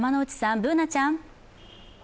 Ｂｏｏｎａちゃん。